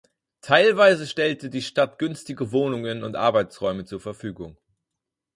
Teilweise stellte die Stadt günstige Wohnungen und Arbeitsräume zur Verfügung.